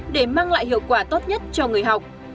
để mang lại hiệu quả tốt nhất cho người học